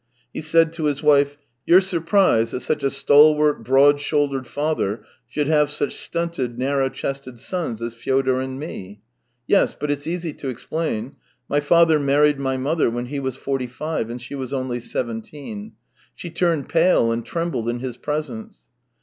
He said to his wife: " You're surprised that such a stalwart, broad shouldered father should have such stunted, narrow chested sons as Fyodor and me. Yes; but it's easy to explain ! My father married my mother when he was forty five, and she was only seventeen. She turned pale and trembled in his presence.